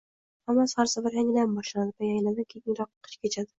Hammasi har safar yangidan boshlanadi va yanada qiyinroq kechadi